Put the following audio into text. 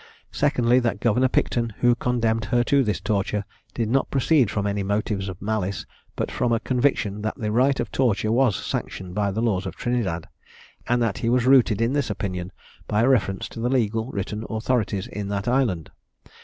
Secondly, That Governor Picton, who condemned her to this torture, did not proceed from any motives of malice, but from a conviction that the right of torture was sanctioned by the laws of Trinidad; and that he was rooted in this opinion by a reference to the legal written authorities in that island.